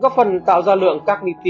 các phần tạo ra lượng các nguyên liệu